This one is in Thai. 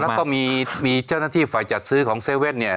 แล้วก็มีเจ้าหน้าที่ฝ่ายจัดซื้อของ๗๑๑เนี่ย